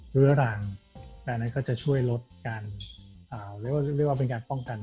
หรือรังและอันนั้นก็จะช่วยลดกันเรียกว่าเป็นการป้องกันได้